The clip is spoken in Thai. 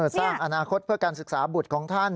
สร้างอนาคตเพื่อการศึกษาบุตรของท่าน